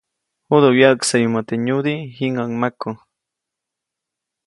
Judä wyäʼksäyumäʼ teʼ nyudiʼ, jiŋäʼuŋ maku.